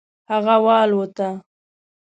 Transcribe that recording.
هغه والوته.